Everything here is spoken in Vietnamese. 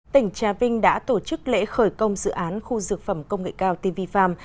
tỉnh trà vinh đã tổ chức lễ khởi công dự án khu dược phẩm công nghệ cao tv farm